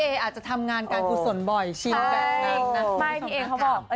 พี่เออาจจะทำงานการผู้สนบ่อยชีพแบบนั้นนะ